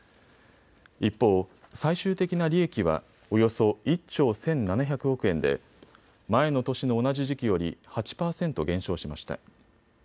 一方、最終的な利益はおよそ１兆１７００億円で前の年の同じ時期より８％減少しました。